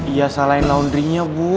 dia salahin laundry nya bu